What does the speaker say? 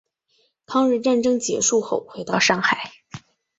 抗日战争结束后回到上海。